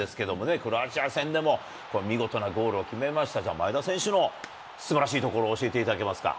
クロアチア戦でも見事なゴールを決めましたが、前田選手のすばらしいところを教えていただけますか。